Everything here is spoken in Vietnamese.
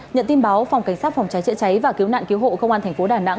nhận tin báo phòng cảnh sát phòng cháy chữa cháy và cứu nạn cứu hộ công an thành phố đà nẵng